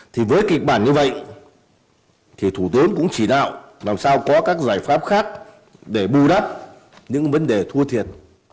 thì với kịch bản như vậy thì thủ tướng cũng chỉ đạo làm sao có các giải pháp khác để bù đắp những vấn đề thua thiệt